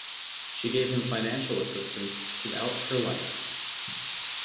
She gave him financial assistance throughout her life.